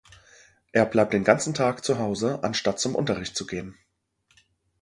Er bleibt den ganzen Tag zu Hause, anstatt zum Unterricht zu gehen.